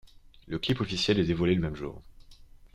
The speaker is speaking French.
Le clip officiel est dévoilé le même jour.